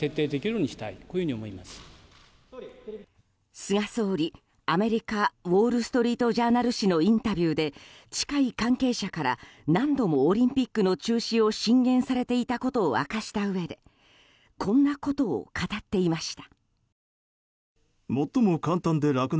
菅首相、アメリカ、ウォール・ストリート・ジャーナル紙のインタビューで近い関係者から何度もオリンピックの中止を進言されていたことを明かしたうえでこんなことを語っていました。